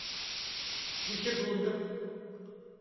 Bizi buldu.